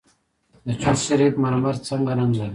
د چشت شریف مرمر څه رنګ لري؟